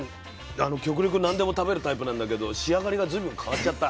極力何でも食べるタイプなんだけど仕上がりが随分変わっちゃった。